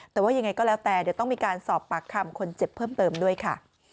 แต่ว่ายังไงก็แล้วแต่เดี๋ยวต้องมีการสอบปากคำคนเจ็บเพิ่มเติมด้วยค่ะ